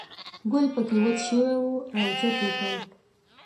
ګل په کې وچ شوی و، را اوچت یې کړ.